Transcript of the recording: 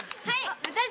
はい。